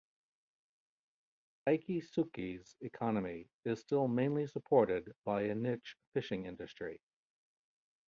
Ikitsuki's economy is still mainly supported by a niche fishing industry.